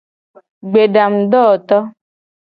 Gbedangudowoto.